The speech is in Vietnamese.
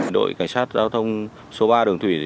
đội cảnh sát giao thông số ba đường thủy